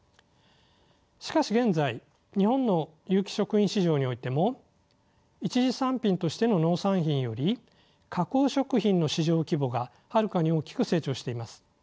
しかし現在日本の有機食品市場においても一次産品としての農産品より加工食品の市場規模がはるかに大きく成長しています。